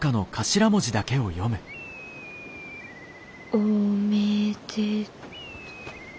おめでと。